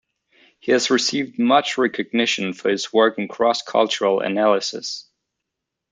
He has received much recognition for his work in cross-cultural analysis.